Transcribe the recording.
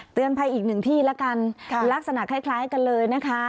เตือนไปอีกหนึ่งที่แล้วกันค่ะลักษณะคล้ายคล้ายกันเลยนะคะ